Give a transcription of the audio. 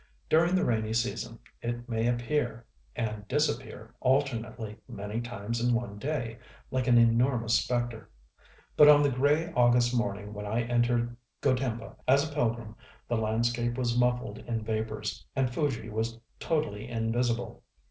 During the rainy season it may appear and disappear alternately many times in one day, like an enormous spectre. But on the grey August morning when I entered Gotemba as a pilgrim, the landscape was muffled in vapors; and Fuji was totally invisible.